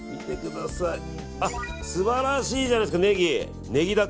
素晴らしいじゃないですかネギ。